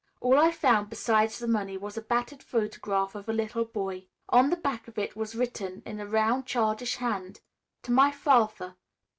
All I found besides the money was a battered photograph of a little boy. On the back of it was written in a round, childish hand: 'To my father.